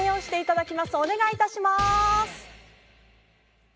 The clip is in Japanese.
お願い致します。